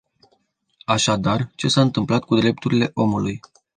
Așadar, ce s-a întâmplat cu drepturile omului?